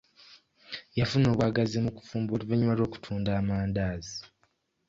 Yafuna obwagazi mu kufumba oluvannyuma lw'okutunda amandaazi.